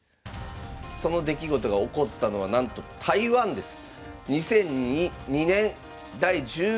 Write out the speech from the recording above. その出来事が起こったのはなんと台湾です。